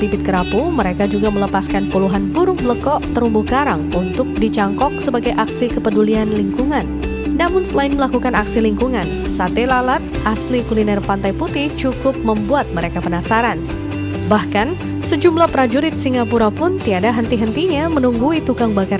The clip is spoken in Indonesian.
para prajurit juga menikmati sate lalat khas pasir putih situbondo